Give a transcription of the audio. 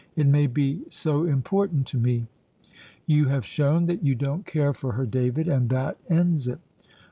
It may be so important to me." "You have shown that you don't care for her, David, and that ends it."